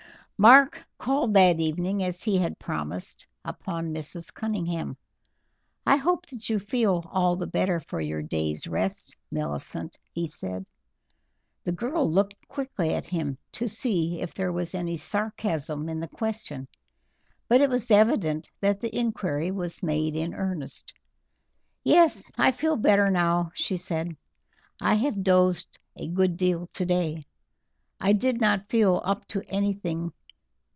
Mark called that evening, as he had promised, upon Mrs. Cunningham. "I hope that you feel all the better for your day's rest, Millicent," he said. The girl looked quickly at him to see if there was any sarcasm in the question, but it was evident that the inquiry was made in earnest. "Yes, I feel better now," she said. "I have dozed a good deal today. I did not feel up to anything.